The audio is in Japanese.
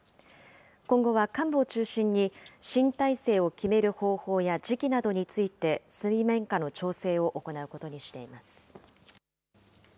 今後は幹部を中心に、新体制を決める方法や時期などについて、水面下の調整を行うことにしています。